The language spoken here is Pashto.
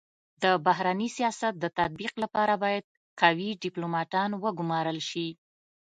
د بهرني سیاست د تطبیق لپاره بايد قوي ډيپلوماتان و ګمارل سي.